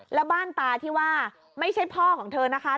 แล้วบ้านตาที่ว่าไม่ใช่พ่อของเธอนะคะ